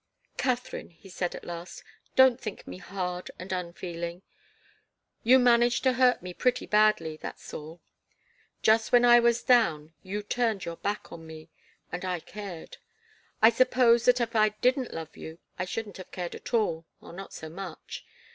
"Katharine," he said, at last, "don't think me hard and unfeeling. You managed to hurt me pretty badly, that's all. Just when I was down, you turned your back on me, and I cared. I suppose that if I didn't love you, I shouldn't have cared at all, or not so much.